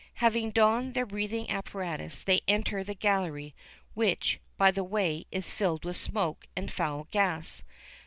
Having donned their breathing apparatus, they enter the gallery, which, by the way, is filled with smoke and foul gas.